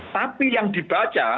tapi yang dibaca